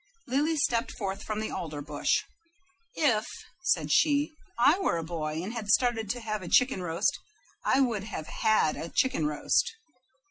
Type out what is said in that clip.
Lily stepped forth from the alder bush. "If," said she, "I were a boy, and had started to have a chicken roast, I would have HAD a chicken roast."